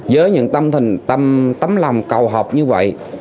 với những tâm lòng cầu học như vậy